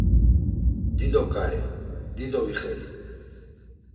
Dido ǩai, dido vixeli.